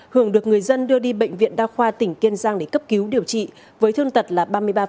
hưởng được người dân đưa đi bệnh viện đa khoa tỉnh kiên giang để cấp cứu điều trị với thương tật là ba mươi ba